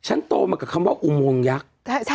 โตมากับคำว่าอุโมงยักษ์